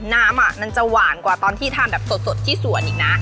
น้ำมันจะหวานกว่าตอนที่ทานแบบสดที่สวนอีกนะ